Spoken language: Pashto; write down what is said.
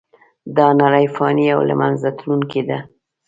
دا نړۍ فانې او له منځه تلونکې ده .